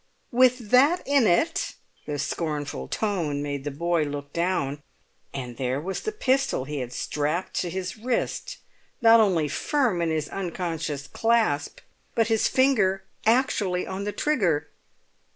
"With that in it!" The scornful tone made the boy look down, and there was the pistol he had strapped to his wrist, not only firm in his unconscious clasp, but his finger actually on the trigger.